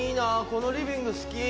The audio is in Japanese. このリビング好き。